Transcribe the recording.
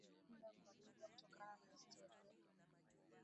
wa Waganda kwa lugha kutokana na historia ya